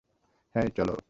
হেই, চলো।